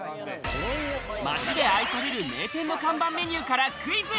街で愛される名店の看板メニューからクイズ。